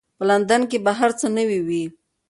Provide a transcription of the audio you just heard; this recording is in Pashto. په لندن کې به هر څه نوي وي.